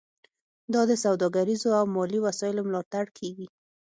دا د سوداګریزو او مالي وسایلو ملاتړ کیږي